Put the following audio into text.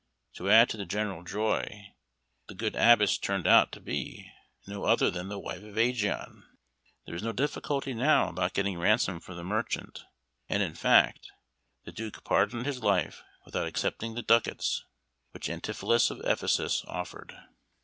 To add to the general joy, the good Abbess turned out to be no other than the wife of Ægeon. There was no difficulty now about getting ransom for the merchant, and, in fact, the Duke pardoned his life without accepting the ducats which Antipholus of Ephesus offered.